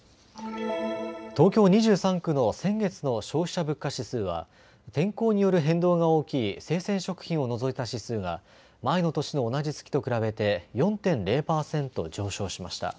東京２３区の先月の消費者物価指数は天候による変動が大きい生鮮食品を除いた指数が前の年の同じ月と比べて４．０％上昇しました。